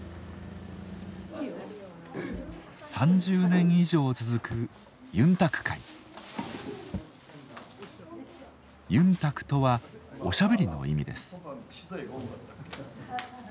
３０年以上続く「ゆんたく」とはおしゃべりの意味です。